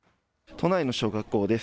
都内の小学校です。